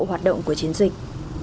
hoạt động của chiến dịch